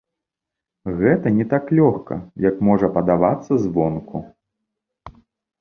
Гэта не так лёгка, як можа падавацца звонку.